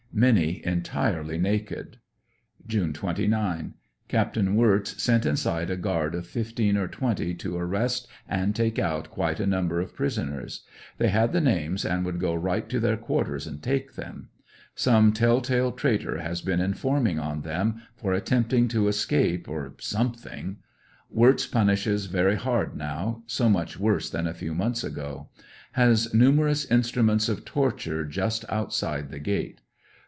Many entirely naked. Jane 29. — Capt. Wirtz sent inside a guard of fifteen or twenty to arrest and take out quite a number of prisoners. They had the names and would go right to their quarters and take them. Some tell tale traitor has been informing on them, for attempting to escape or something Wirtz punishes very hard now; so much worse than a few months ago. Has numerous instruments of tor ture just outside the gate.